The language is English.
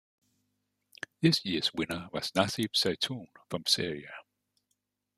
This year's winner was Nassif Zaytoun from Syria.